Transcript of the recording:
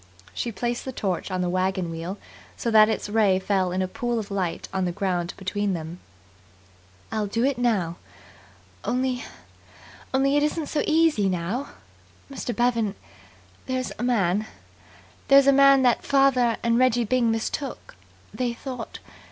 She placed the torch on the wagon wheel so that its ray fell in a pool of light on the ground between them. "I'll do it now. Only only it isn't so easy now. Mr. Bevan, there's a man there's a man that father and Reggie Byng mistook they thought